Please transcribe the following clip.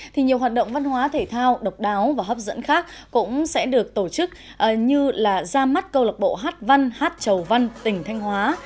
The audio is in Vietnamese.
thì nhiều hoạt động văn hóa thể thao độc đáo và hấp dẫn khác cũng sẽ được tổ chức như là ra mắt câu lạc bộ hát văn hát chầu văn tỉnh thanh hóa